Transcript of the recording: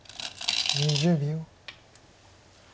２０秒。